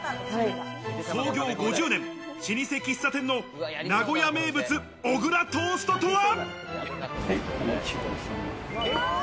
創業５０年老舗喫茶店の名古屋名物・小倉トーストとは？